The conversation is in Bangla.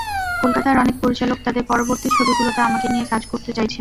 কলকাতার অনেক পরিচালক তাঁদের পরবর্তী ছবিগুলোতে আমাকে নিয়ে কাজ করতে চাইছেন।